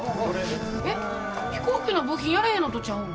えっ飛行機の部品やらへんのとちゃうの？